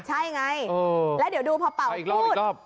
ใช่ไงแล้วเดี๋ยวดูพอเป่าพูด